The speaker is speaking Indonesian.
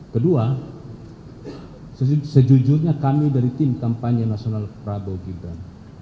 kedua sejujurnya kami dari tim kampanye nasional prabowo gibran